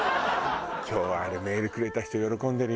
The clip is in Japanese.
今日はあれメールくれた人喜んでるよ。